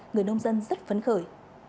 người nông dân rất phấn khởi